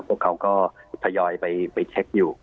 พวกเขาก็ทยอยไปเช็คอยู่